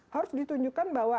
harus ditunjukkan bahwa